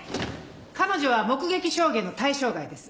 彼女は目撃証言の対象外です。